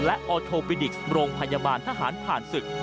และออโทปิดิกซ์โรงพยาบาลทหารผ่านศึก